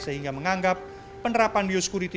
sehingga menganggap penerapan bioscurity